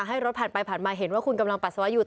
ให้รถผ่านไปผ่านมาเห็นว่าคุณกำลังปัสสาวะอยู่